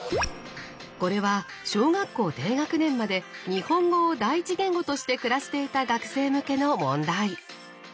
これは小学校低学年まで日本語を第一言語として暮らしていた学生向けの問題。